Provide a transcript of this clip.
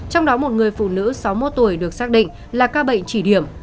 trong đó một người phụ nữ sáu mươi một tuổi được xác định là ca bệnh chỉ điểm